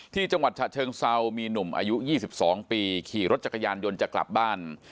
จังหวัดฉะเชิงเซามีหนุ่มอายุ๒๒ปีขี่รถจักรยานยนต์จะกลับบ้าน